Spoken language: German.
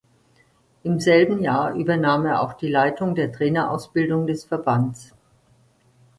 Im selben Jahr übernahm er auch die Leitung der Trainerausbildung des Verbands.